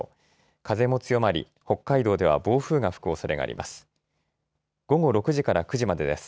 風も強まり北海道では暴風が吹くおそれがあります。